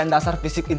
ada ada keekum komos